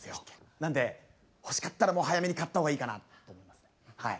なんで欲しかったらもう早めに買った方がいいかなと思いますねはい。